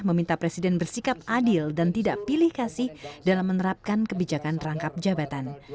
meminta presiden bersikap adil dan tidak pilih kasih dalam menerapkan kebijakan rangkap jabatan